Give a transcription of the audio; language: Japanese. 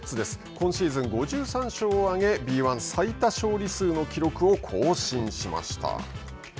今シーズン５３勝を上げ、Ｂ１最多勝利数の記録を更新しました。